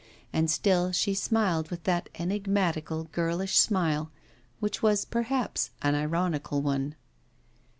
And still she smiled with that enigmatical, girlish smile, which was, perhaps, an ironical one.